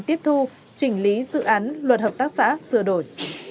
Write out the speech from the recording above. tiếp thu chỉnh lý dự án luật hợp tác xã sửa đổi